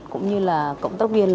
cũng như là cộng tác viên